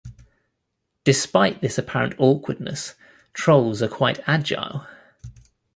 Despite this apparent awkwardness, trolls are quite agile.